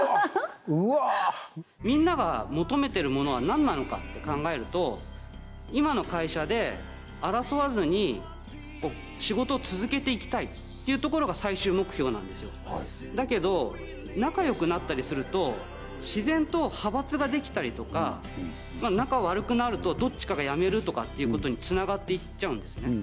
うわみんなが求めてるものは何なのかって考えると今の会社で争わずに仕事を続けていきたいっていうところが最終目標なんですよだけど仲良くなったりすると自然と派閥ができたりとか仲悪くなるとどっちかが辞めるとかっていうことにつながっていっちゃうんですね